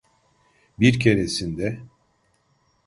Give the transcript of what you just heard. Bir keresinde…